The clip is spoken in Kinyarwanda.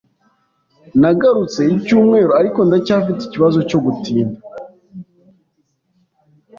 Nagarutse icyumweru, ariko ndacyafite ikibazo cyo gutinda.